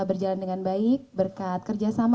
berjalan dengan baik berkat kerjasama